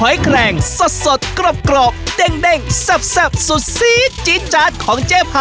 วันนี้ขอบคุณเจภาพี่จอยนะคะ